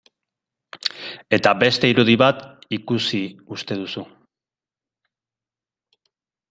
Eta beste irudi bat ikusi uste duzu...